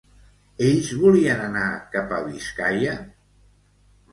Ells volien anar cap a Biscaia?